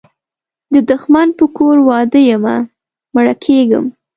د دښمن په کور واده یمه مړه کیږم